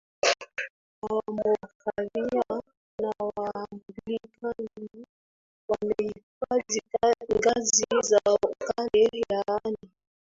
na Wamoravian na Waanglikana wamehifadhi ngazi za kale yaani